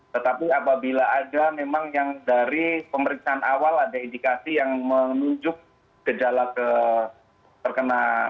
tetapi apabila ada memang yang dari pemeriksaan awal ada indikasi yang menunjuk gejala terkena